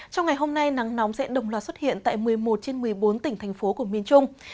trong ngày hôm nay nắng nóng sẽ đồng loạt xuất hiện tại một mươi một trên một mươi bốn tỉnh thành phố của miền trung